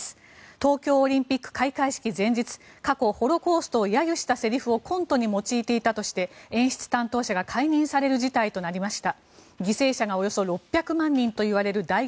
東京オリンピック開会式前日過去ホロコーストを揶揄したセリフをコントに持ちいていたとして演出担当者が解任される事態となりました。